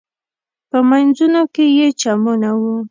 په مینځونو کې یې چمنونه و.